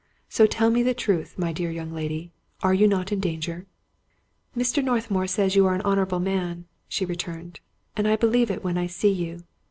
So tell me the truth, my dear young lady, are you not in danger? "" Mr. Northmour says you are an honorable man," she returned, " and I believe it when I see you.